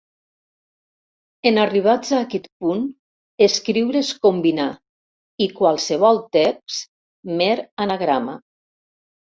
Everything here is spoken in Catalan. En arribats a aquest punt, escriure és combinar i qualsevol text, mer anagrama.